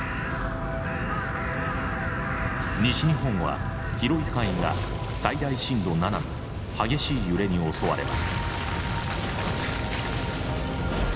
西日本は広い範囲が最大震度７の激しい揺れに襲われます。